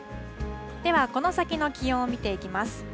では、この先の気温を見ていきます。